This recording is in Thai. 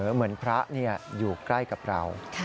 เหมือนพระอยู่ใกล้กับเรา